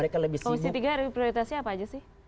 komisi tiga prioritasnya apa aja sih